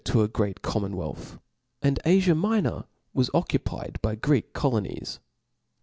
aj9 jeA to a great commonwealth: and AfiaNfinor Bdoc was occupied by Greek colonies.